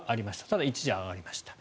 ただ、一時上がりました。